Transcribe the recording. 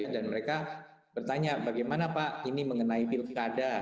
dan mereka bertanya bagaimana pak ini mengenai pilkada